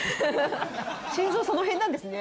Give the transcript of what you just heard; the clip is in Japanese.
心臓その辺なんですね？